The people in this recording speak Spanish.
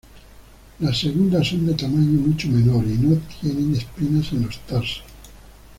Las segundas son de tamaño mucho menor y no tienen espinas en los tarsos.